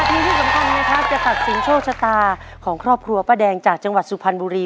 และที่สำคัญนะครับจะตัดสินโชคชะตาของครอบครัวป้าแดงจากจังหวัดสุพรรณบุรี